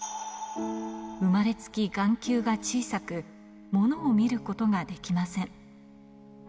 生まれつき眼球が小さく、ものを見ることができません。